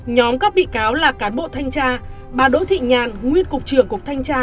nhóm các bị cáo là cán bộ thanh tra ba đối thị nhàn nguyên cục trưởng cục thanh tra